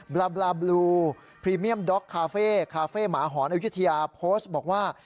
บลาบลาบลูพรีเมียมด็อกคาเฟ่คาเฟ่หมาหอนเอาชื่อเทียโพสต์บอกว่า